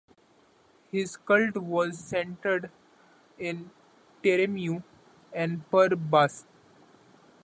His cult was centred in Taremu and Per-Bast.